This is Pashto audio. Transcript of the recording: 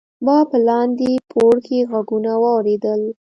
ما په لاندې پوړ کې غږونه واوریدل.